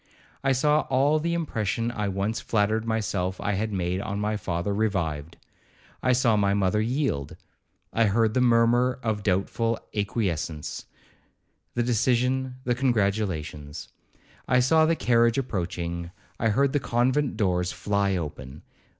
I saw all the impression I once flattered myself I had made on my father revived. I saw my mother yield. I heard the murmur of doubtful acquiescence,—the decision, the congratulations. I saw the carriage approaching,—I heard the convent doors fly open.